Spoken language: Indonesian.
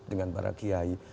dengan para kiai